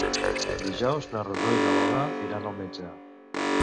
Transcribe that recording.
Dijous na Rosó i na Lola iran al metge.